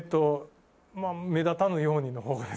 「目立たぬように」の方ですかね。